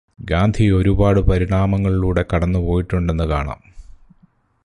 ഗാന്ധി ഒരുപാട് പരിണാമങ്ങളിലൂടെ കടന്നു പോയിട്ടുണ്ടെന്ന് കാണാം.